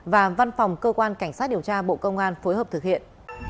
và văn phòng cơ quan cảnh sát điều tra bộ công an phối hợp thực hiện